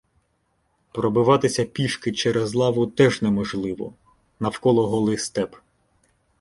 Пробиватися пішки через лаву теж неможливо — навколо голий степ.